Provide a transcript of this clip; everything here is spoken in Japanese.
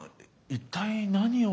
一体何を。